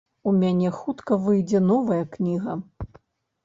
У мяне хутка выйдзе новая кніга.